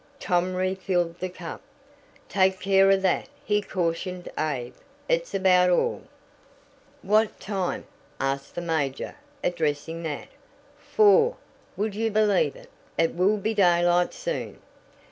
Tom refilled the cup. "Take care of that," he cautioned Abe. "It's about all." "What time?" asked the major, addressing Nat. "Four! Would you believe it? It will be daylight soon."